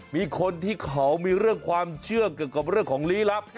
มีคนที่เขามีเรื่องความเชื่อเกี่ยวกับเรื่องของลี้ลับ